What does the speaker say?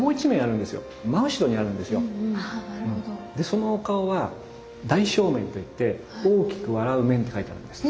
そのお顔は「大笑面」と言って大きく笑う面って書いてあるんです。